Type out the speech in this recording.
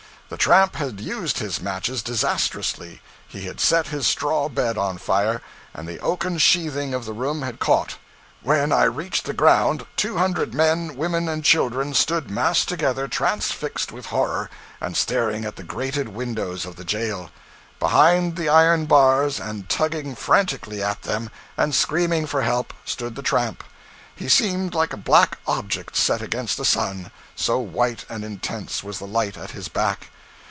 The tramp had used his matches disastrously: he had set his straw bed on fire, and the oaken sheathing of the room had caught. When I reached the ground, two hundred men, women, and children stood massed together, transfixed with horror, and staring at the grated windows of the jail. Behind the iron bars, and tugging frantically at them, and screaming for help, stood the tramp; he seemed like a black object set against a sun, so white and intense was the light at his back.